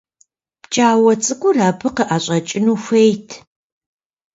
Пкӏауэ цӏыкӏур абы къыӏэщӏэкӏыну хуейт.